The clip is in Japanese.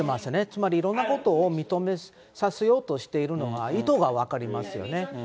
つまりいろんなことを認めさせようとしてるのが、意図が分かりますよね。